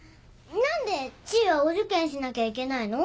何で知恵はお受験しなきゃいけないの？